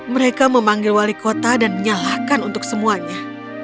mereka memanggil wali kota dan menyalahkan untuk semuanya